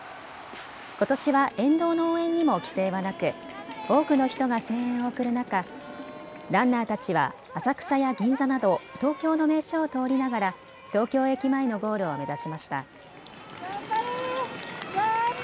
ことしは沿道の応援にも規制はなく多くの人が声援を送る中、ランナーたちは浅草や銀座など東京の名所を通りながら東京駅前のゴールを目指しました。